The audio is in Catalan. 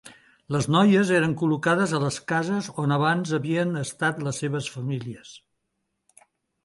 Les noies eren col·locades a les cases on abans havien estat les seves famílies.